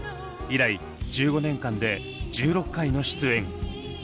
以来１５年間で１６回の出演。